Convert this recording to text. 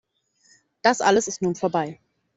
Das alles ist nun vorbei.